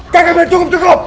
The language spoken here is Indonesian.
kakak beritahu cukup cukup